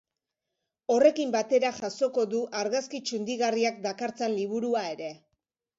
Horrekin batera jasoko du argazki txundigarriak dakartzan liburua ere.